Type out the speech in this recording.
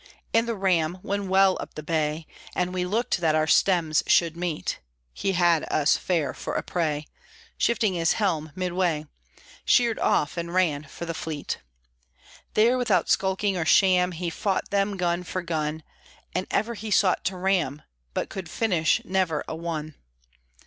And the Ram, when well up the Bay, And we looked that our stems should meet (He had us fair for a prey), Shifting his helm midway, Sheered off, and ran for the fleet; There, without skulking or sham, He fought them gun for gun; And ever he sought to ram, But could finish never a one.